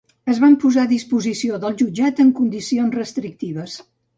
Es van posar a disposició del jutjat en condicions restrictives.